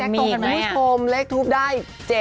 มีคุณผู้ชมเลขทูปได้๗๐๓